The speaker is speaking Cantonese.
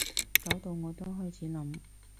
搞到我都開始諗